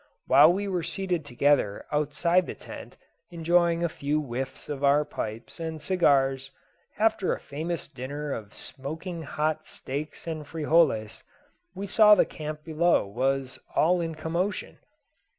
While we were seated together outside the tent enjoying a few whiffs of our pipes and cigars, after a famous dinner of smoking hot steaks and frijoles, we saw the camp below was all in commotion.